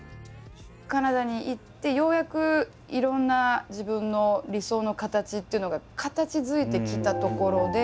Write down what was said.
カナダに行ってようやくいろんな自分の理想の形っていうのが形づいてきたところで。